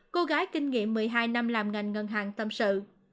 cô gái kinh nghiệm một mươi hai năm làm ngành ngân hàng tâm sự